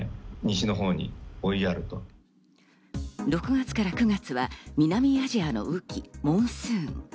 ６月から９月は南アジアの雨期、モンスーン。